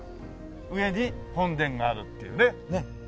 上に本殿があるっていうね。